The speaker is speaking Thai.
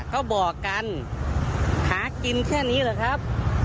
เขาบอกกันหากินแค่นี้แหละครับ